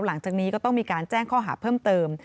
หลังจากนี้ก็ต้องมีการแจ้งข้อหาเพิ่มเติม